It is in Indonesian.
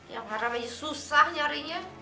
yang haram lagi susah nyarinya